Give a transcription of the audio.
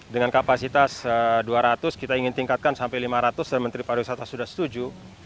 dengan kapasitas dua ratus kita ingin tingkatkan sampai lima ratus dan menteri pariwisata sudah setuju